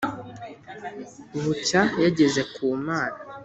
bucya yageze ku Mana.